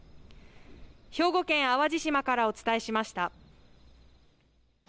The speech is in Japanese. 兵庫県淡路島からお伝えしました。